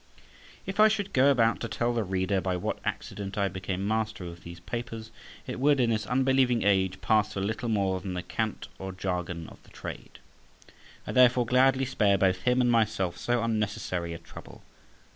If I should go about to tell the reader by what accident I became master of these papers, it would, in this unbelieving age, pass for little more than the cant or jargon of the trade. I therefore gladly spare both him and myself so unnecessary a trouble.